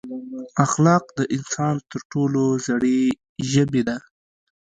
اخلاق د انسان تر ټولو زړې ژبې ده.